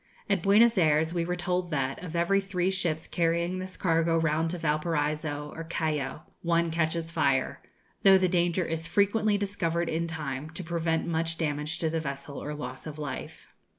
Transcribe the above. At Buenos Ayres we were told that, of every three ships carrying this cargo round to Valparaiso or Callao, one catches fire, though the danger is frequently discovered in time to prevent much damage to the vessel or loss of life.